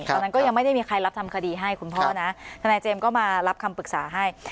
ตอนนั้นก็ยังไม่ได้มีใครรับทำคดีให้คุณพ่อนะทนายเจมส์ก็มารับคำปรึกษาให้